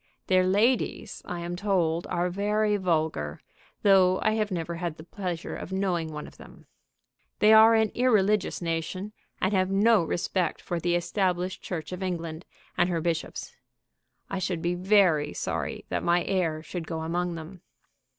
Their ladies, I am told, are very vulgar, though I have never had the pleasure of knowing one of them. They are an irreligious nation, and have no respect for the Established Church of England and her bishops. I should be very sorry that my heir should go among them.